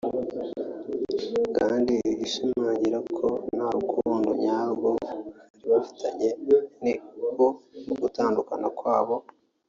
Ikindi gishimangira ko nta rukundo nyarwo bari bafitanye ni uko mu gutandukana kwabo